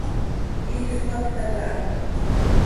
Iij spacta caha.